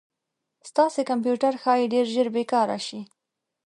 ستاسې کمپیوټر ښایي ډير ژر بې کاره شي